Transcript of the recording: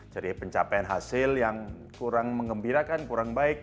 jadi pencapaian hasil yang kurang mengembirakan kurang baik